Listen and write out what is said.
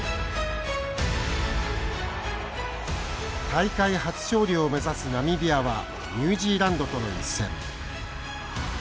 大会初勝利を目指すナミビアはニュージーランドとの一戦。